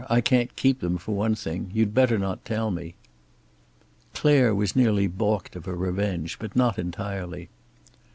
I can't keep them, for one thing. You'd better not tell me." Clare was nearly balked of her revenge, but not entirely.